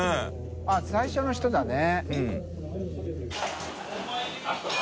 佑Аあっ最初の人だね。